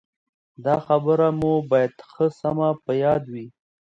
دا خبره مو باید ښه سمه په یاد وي.